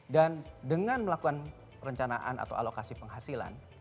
dan dengan melakukan rencanaan atau alokasi penghasilan